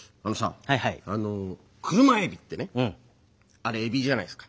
あれエビじゃないですか。